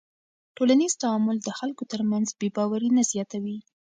ټولنیز تعامل د خلکو تر منځ بېباوري نه زیاتوي.